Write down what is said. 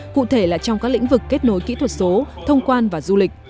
cụ thể là trong các lĩnh vực kết nối kỹ thuật số thông quan và du lịch